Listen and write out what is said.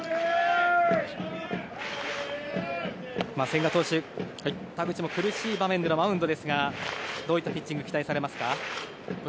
千賀投手、田口も苦しい場面でのマウンドですがどういったピッチングを期待されますか。